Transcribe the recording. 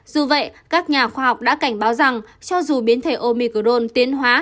dù vậy các nhà khoa học đã cảnh báo rằng cho dù biến thể omicron tiến hóa